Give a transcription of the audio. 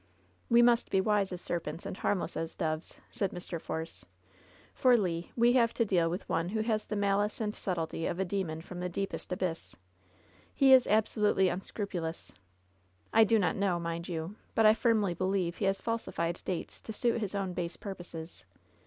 " We must be wise as serpents and harmless as doves,' " said Mr. Force ; "for, Le, we have to deal with one who has the malice and subtlety of a demon from the deepest abyss. He is absolutely unscrupulous. I do not know, mind you, but I firmly believe he has falsi fied dates to suit his own base purposes.